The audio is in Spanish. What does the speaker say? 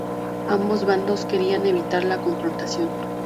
Ambos bandos querían evitar la confrontación.